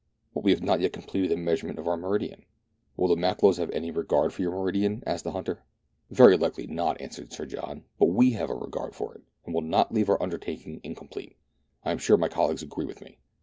" But we have not yet completed the measurement of our meridian." " Will the Makololos have any regard for your meridian .*" asked the hunter. "Very likely not," answered Sir John ;" but zve have a regard for it, and will not leave our undertaking incomplete. I am sure my colleagues agree with me."